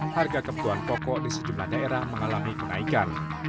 harga kebutuhan pokok di sejumlah daerah mengalami kenaikan